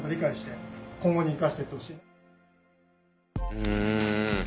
うん。